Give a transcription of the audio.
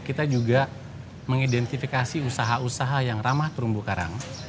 kita juga mengidentifikasi usaha usaha yang ramah terumbu karang